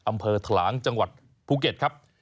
อำเภอถลางจังหวัดภูเก็ตครับ